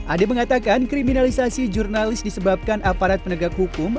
ade mengatakan kriminalisasi jurnalis disebabkan aparat penegak hukum